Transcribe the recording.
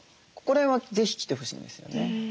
これは是非来てほしいんですよね。